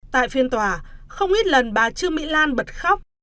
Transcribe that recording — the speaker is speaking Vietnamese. tại phiên tòa không ít lần bà trương mỹ lan bật khóc